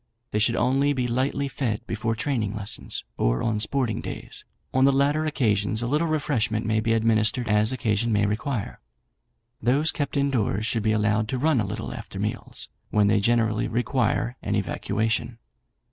They should only be lightly fed before training lessons, or on sporting days; on the latter occasions a little refreshment may be administered as occasion may require. Those kept in doors should be allowed to run a little after meals, when they generally require an evacuation.